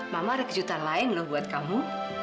mama ada kejutan lain loh buat kamu